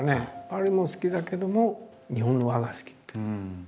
パリも好きだけども日本の和が好きっていう。